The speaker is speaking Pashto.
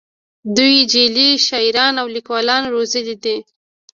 دوی جعلي شاعران او لیکوالان روزلي دي